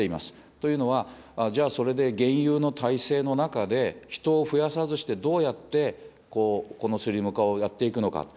というのは、じゃあ、それで現有の体制の中で、人を増やさずして、どうやってこのスリム化をやっていくのかと。